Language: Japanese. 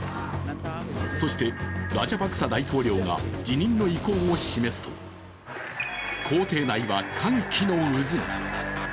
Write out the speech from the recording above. そして、ラジャパクサ大統領が辞任の意向を示すと公邸内は歓喜の渦に。